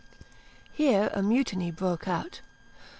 Here a mutiny broke out.